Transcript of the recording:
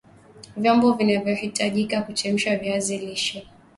vyombo vinavyohitajika kuchemsha viazi lishe